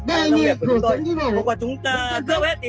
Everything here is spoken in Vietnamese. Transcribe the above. không có chúng ta cướp hết thì